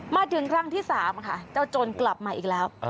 มาถึงครั้งที่๓ค่ะเจ้าโจรกลับมาอีกแล้ว